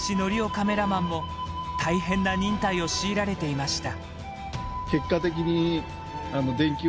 カメラマンも、大変な忍耐を強いられていました。